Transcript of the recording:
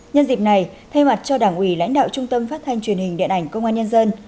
nhân dịp này thay mặt cho đảng ủy lãnh đạo trung tâm phát thanh truyền hình điện ảnh công an nhân dân